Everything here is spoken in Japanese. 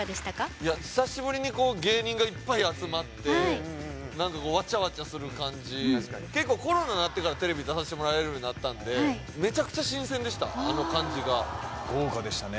いや久しぶりに芸人がいっぱい集まって何かこうワチャワチャする感じ結構コロナなってからテレビ出させてもらえるようになったんでめちゃくちゃ新鮮でしたあの感じが豪華でしたね